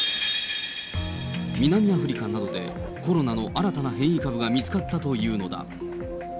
南アフリカなどで、コロナの新たな変異株が見つかったというのだ。